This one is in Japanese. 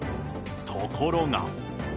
ところが。